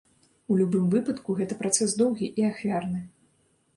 У любым выпадку гэта працэс доўгі і ахвярны.